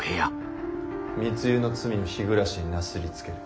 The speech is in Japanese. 密輸の罪を日暮になすりつける。